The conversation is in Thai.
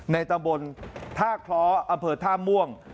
ตำบลท่าคล้ออำเภอท่าม่วง